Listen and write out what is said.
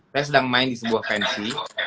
saya sedang main di sebuah pensi